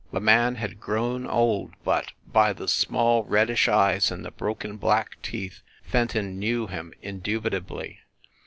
The man had grown old, but, by the small reddish eyes and the broken black teeth, Fen ton knew him indubitably.